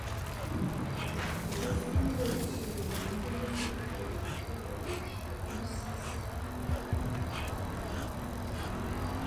北京西路是南京市鼓楼区的一条东西向干道。